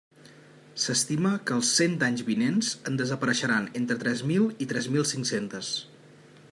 S'estima que els cent anys vinents en desapareixeran entre tres mil i tres mil cinc-centes.